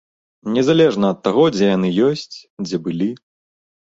Незалежна ад таго, дзе яны ёсць, дзе былі.